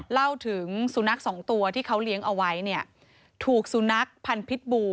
เล่าถึงสูนักสองตัวที่เขาเลี้ยงเอาไว้ถูกสูนักพันพิษบู